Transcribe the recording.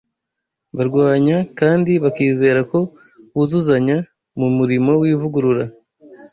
barwanya, kandi bakizera ko buzuzanya mu murimo w’ivugurura